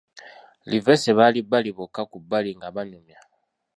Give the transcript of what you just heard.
Livesey baali bali bokka ku bbali nga banyumya.